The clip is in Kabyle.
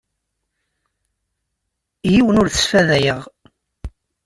Yiwen ur t-sfadayeɣ.